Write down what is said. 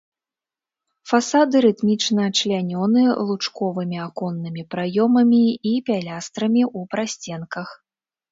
Фасады рытмічна члянёны лучковымі аконнымі праёмамі і пілястрамі ў прасценках.